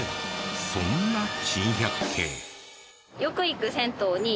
そんな珍百景。